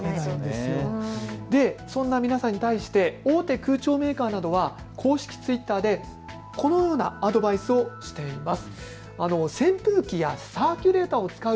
そんな皆さんに対して大手空調メーカーなどは公式Ｔｗｉｔｔｅｒなどで、このようにアドバイスをしています。